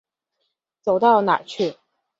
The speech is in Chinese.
走到哪儿去。